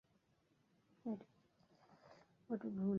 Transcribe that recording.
Yoshimoto জেনকিয়োটোর কার্যক্রমকে যোগ্য সমর্থন দিয়েছেন।